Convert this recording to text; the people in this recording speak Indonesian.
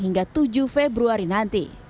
sehingga tujuh februari nanti